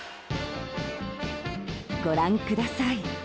ご覧ください。